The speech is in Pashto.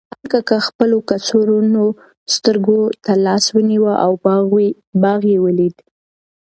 ارمان کاکا خپلو کڅوړنو سترګو ته لاس ونیو او باغ یې ولید.